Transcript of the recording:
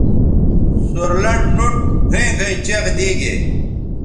سور لنڈ نُوٹ گھئیں گھئیں چیغ دیگے